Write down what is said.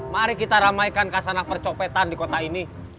mari kita ramaikan kasanah percopetan di kota ini